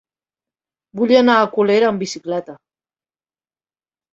Vull anar a Colera amb bicicleta.